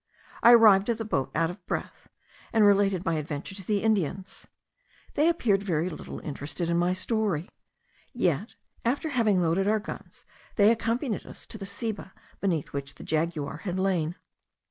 I arrived at the boat out of breath, and related my adventure to the Indians. They appeared very little interested by my story; yet, after having loaded our guns, they accompanied us to the ceiba beneath which the jaguar had lain.